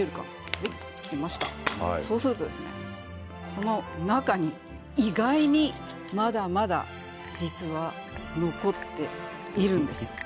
そうするとですね、この中に意外に、まだまだ実は残っているんですよ。